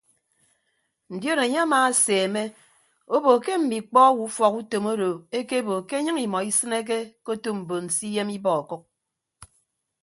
Ndion enye amaaseemme obo ke mme ikpọ owo ufọkutom odo ekebo ke enyịñ imọ isịneke ke otu mbon se iyem ibọ ọkʌk.